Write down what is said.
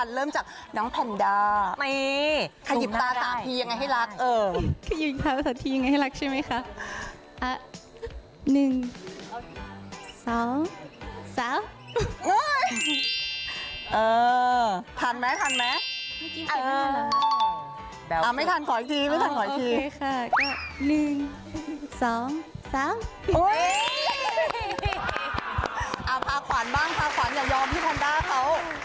อ่ะพาขวานบ้างพาขวานอย่ายอมที่ทอนด้าเขา